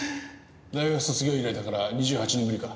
大学卒業以来だから２８年ぶりか。